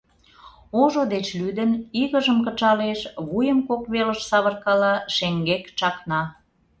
Ожо деч лӱдын, игыжым кычалеш, вуйым кок велыш савыркала, шеҥгек чакна.